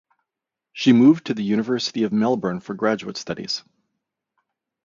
She moved to the University of Melbourne for graduate studies.